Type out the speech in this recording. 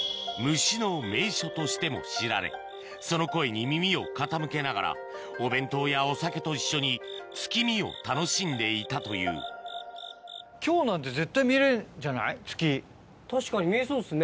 虫の名所としても知られその声に耳を傾けながらお弁当やお酒と一緒に月見を楽しんでいたという確かに見えそうですね